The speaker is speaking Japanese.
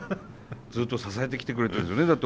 ずっと支えてきてくれたんですよね？